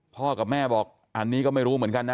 พ่อกับแม่บอกอันนี้ก็ไม่รู้เหมือนกันนะ